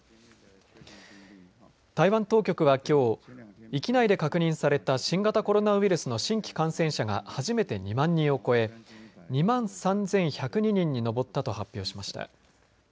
台湾当局は、きょう域内で確認された新型コロナウイルスの新規感染者が初めて２万人を超え２万３１０２人に上ったと発表しました。